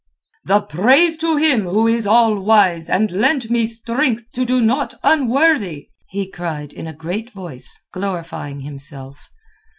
"The praise to Him who is All wise and lent me strength to do naught unworthy!" he cried in a great voice, glorifying himself.